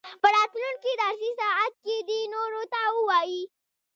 په راتلونکي درسي ساعت کې دې نورو ته ووايي.